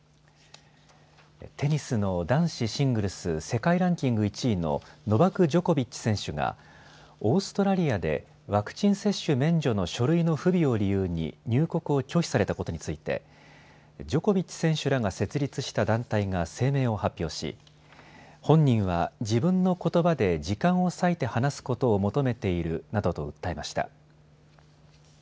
テニスの男子シングルス世界ランキング１位のノバク・ジョコビッチ選手がオーストラリアでワクチン接種免除の書類の不備を理由に入国を拒否されたことについてジョコビッチ選手らが設立した団体が声明を発表し本人は自分のことばで時間を割いて話すことを求めているなどと訴えました。